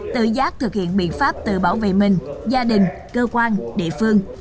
tự giác thực hiện biện pháp tự bảo vệ mình gia đình cơ quan địa phương